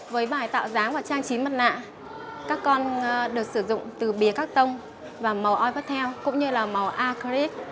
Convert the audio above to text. với bài tạo dáng và trang trí mặt nạ các con được sử dụng từ bìa carton và màu oil pastel cũng như là màu acrylic